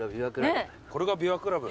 これが枇杷倶楽部。